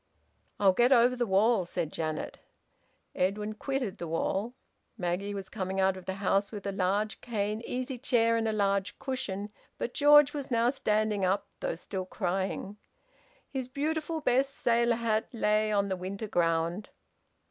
"I'll get over the wall," said Janet. Edwin quitted the wall. Maggie was coming out of the house with a large cane easy chair and a large cushion. But George was now standing up, though still crying. His beautiful best sailor hat lay on the winter ground.